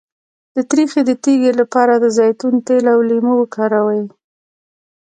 د تریخي د تیږې لپاره د زیتون تېل او لیمو وکاروئ